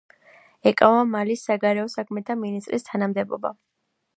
ეკავა მალის საგარეო საქმეთა მინისტრის თანამდებობა.